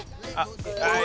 はい。